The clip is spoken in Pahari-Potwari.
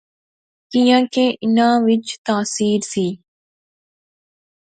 کیاں کہ انیں وچ تاثیر سی